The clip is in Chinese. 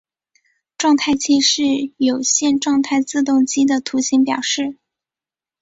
状态器是有限状态自动机的图形表示。